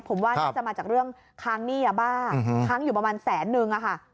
ผมว่าน่าจะมาจากเรื่องค้างหนี้ยาบ้าค้างอยู่ประมาณแสนนึงอะค่ะ